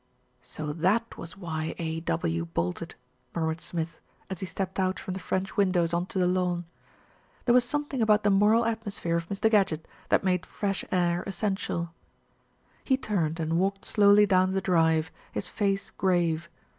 "So that was why A. W. bolted," murmured Smith, as he stepped out from the French windows on to the lawn. There was something about the moral atmos phere of Mr. Gadgett that made fresh air essential. He turned and walked slowly down the drive, his face grave.